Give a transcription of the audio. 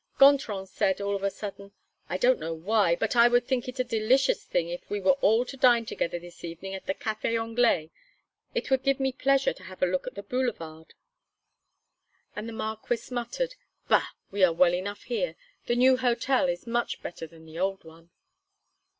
Gontran said, all of a sudden: "I don't know why, but I would think it a delicious thing if we were all to dine together this evening at the Café Anglais. It would give me pleasure to have a look at the boulevard." And the Marquis muttered: "Bah! we are well enough here. The new hotel is much better than the old one."